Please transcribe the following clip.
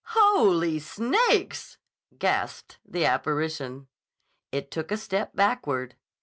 "Holy Snakes!" gasped the apparition. It took a step backward.